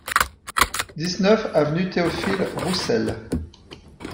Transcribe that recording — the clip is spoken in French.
dix-neuf avenue Théophile Roussel